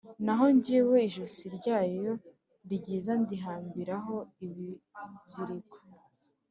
Naho jyewe, ijosi ryayo ryiza ndihambiraho ibiziriko